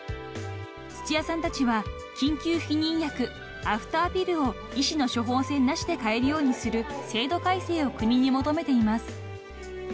［土屋さんたちは緊急避妊薬アフターピルを医師の処方箋なしで買えるようにする制度改正を国に求めています］